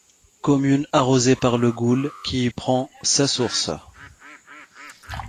Commune arrosée par le Goul qui y prend sa source.